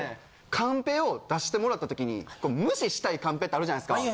カンペを出してもらった時に無視したいカンペってあるじゃないですか。